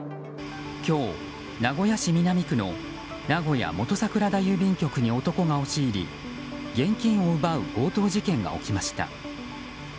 今日、名古屋市南区の名古屋元桜田郵便局に男が押し入り現金を奪う強盗事件が起きました。